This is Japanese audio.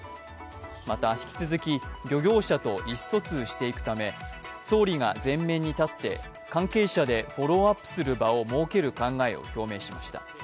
また引き続き漁業者と意思疎通していくため総理が前面に立って、関係者でフォローアップする場を設ける考えを表明しました。